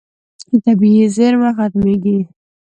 طبیعي زیرمه ختمېږي.